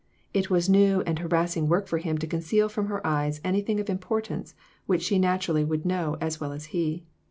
It was new and harassing work for him to conceal from her eyes anything of importance which she naturally would know as well as he.